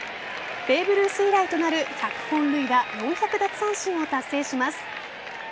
ベーブ・ルース以来となる１００本塁打、４００奪三振を達成します。